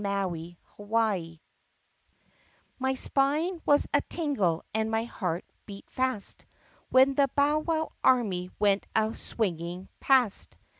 CHAPTER XVII My spine was a tingle and my heart beat fast When the bowwow army went a swinging past